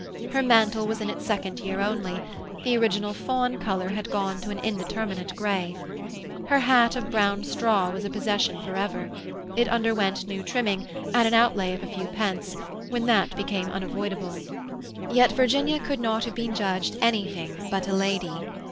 Her mantle was in its second year only; the original fawn colour had gone to an indeterminate grey. Her hat of brown straw was a possession for ever; it underwent new trimming, at an outlay of a few pence, when that became unavoidable. Yet Virginia could not have been judged anything but a lady.